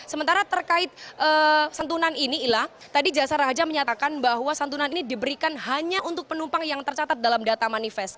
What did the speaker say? sementara terkait santunan ini ila tadi jasara haja menyatakan bahwa santunan ini diberikan hanya untuk penumpang yang tercatat dalam data manifest